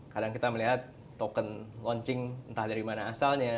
kadang kita melihat token launching entah dari mana asalnya